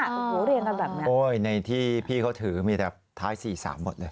โอ้โหเรียงกันแบบนี้โอ้ยในที่พี่เขาถือมีแต่ท้ายสี่สามหมดเลย